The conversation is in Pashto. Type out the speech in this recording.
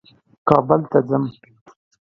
کابل ته ځم.